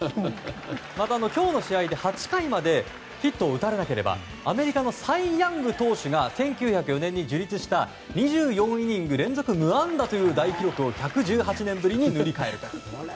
今日の試合で８回までヒットを打たれなければアメリカのサイ・ヤング投手が１９０４年に樹立した２４イニング連続無安打という大記録を１１８年ぶりに塗り替えると。